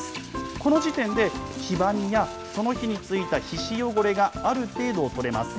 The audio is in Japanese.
この時点で、黄ばみや、その日についた皮脂汚れがある程度取れます。